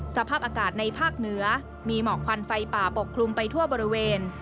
สภาพอากาศในภาคเหนือมีหมอกควันไฟป่าปกคลุมไปทั่วบริเวณ